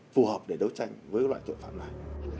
phù hợp để đấu tranh với loại tội phạm này